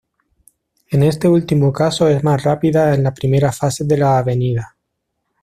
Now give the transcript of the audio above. En este último caso es más rápida en la primera fase de las avenidas.